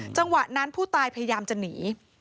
จังหวะนั้นผู้ตายพยายามจะหนี